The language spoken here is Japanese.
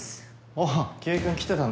あっ清居君来てたんだ。